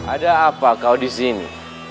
ada apa kau di sini